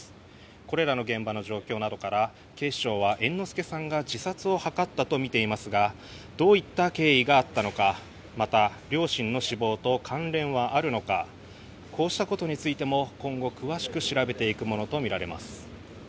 これらの現場の状況などから警視庁は猿之助さんが自殺を図ったとみていますがどういった経緯があったのかまた両親の死亡と関連はあるのかこうしたことについても今後、詳しく調べていくものとみられます。